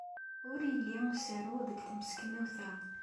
Ur yelli usaru deg temseknewt-a.